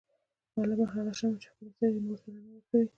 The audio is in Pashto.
معلم هغه شمعه چي خپله سوزي او نورو ته رڼا ورکوي